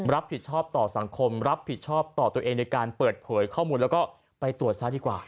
รับผิดชอบต่อสังคมรับผิดชอบต่อตัวเองในการเปิดเผยข้อมูลแล้วก็ไปตรวจซะดีกว่า